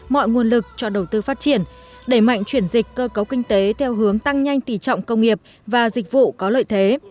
mọi nguồn lực cho đầu tư phát triển đẩy mạnh chuyển dịch cơ cấu kinh tế theo hướng tăng nhanh tỉ trọng công nghiệp và dịch vụ có lợi thế